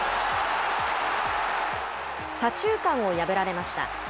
左中間を破られました。